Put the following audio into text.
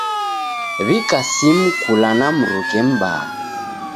W'ika simu kula na mruke m'baa.